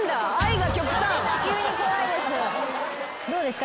どうですか？